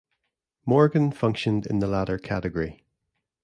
Morgan functioned in the latter category.